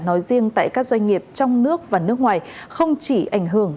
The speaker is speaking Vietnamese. nói riêng tại các doanh nghiệp trong nước và nước ngoài không chỉ ảnh hưởng